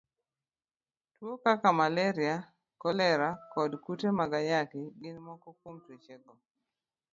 Tuwo kaka malaria, kolera, kod kute mag ayaki, gin moko kuom tuochego.